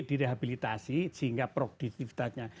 direhabilitasi sehingga produktivitasnya